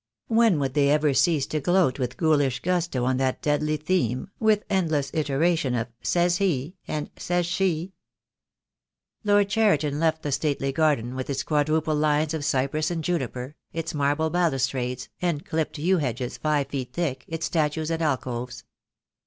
When would they ever cease to gloat with ghoulish gusto on that deadly theme, with end less iteration of "says he" and "says she"? Lord Cheriton left the stately garden with its quad ruple lines of cypress and juniper, its marble balustrades, and clipped yew hedges five feet thick, its statues and alcoves.